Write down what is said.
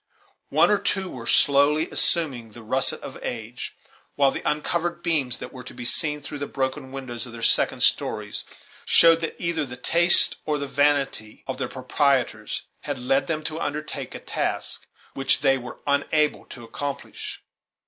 One or two were slowly assuming the russet of age; while the uncovered beams that were to be seen through the broken windows of their second stories showed that either the taste or the vanity of their proprietors had led them to undertake a task which they were unable to accomplish.